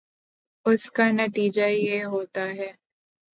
اس کا نتیجہ یہ ہوتا ہے